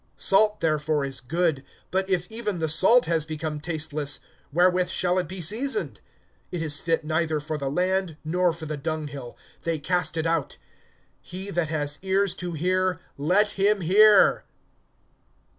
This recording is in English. (34)Salt therefore is good; but if even the salt has become tasteless, wherewith shall it be seasoned? (35)It is fit neither for the land, nor for the dunghill; they cast it out. He that has ears to hear, let him hear.